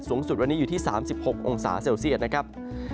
สูงสุดวันนี้อยู่ที่๓๖องศาเซลเซียตนะครับ